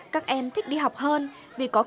các em thích đi học hơn vì có cơm ăn